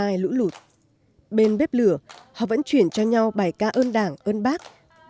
ai lũ lụt bên bếp lửa họ vẫn chuyển cho nhau bài ca ơn đảng ơn bác